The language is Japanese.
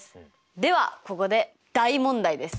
ではここで大問題です。